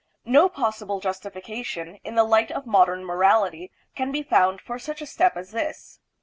No possible justification, in the light of modern morality, can be found for such a step as this.